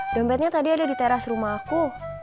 dompet nya tadi ada di teras rumah aku